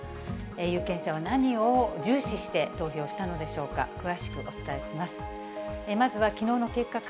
有権者は何を重視して投票したのでしょうか。